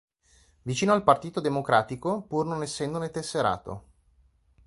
Vicino al Partito Democratico, pur non essendone tesserato.